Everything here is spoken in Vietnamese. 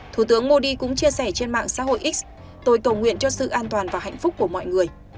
thủ tướng modi cũng chia sẻ trên mạng xã hội x tôi cầu nguyện cho sự an toàn và hạnh phúc của mọi người